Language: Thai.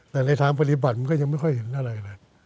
แต่ในทางปฏิบัติมันก็ยังไม่ค่อยเห็นอะไรเลย